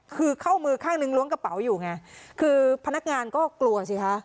คือเข้ามือข้างนึงล้วงกระเป๋าอยู่ไงคือพนักงานก็กลัวสิคะ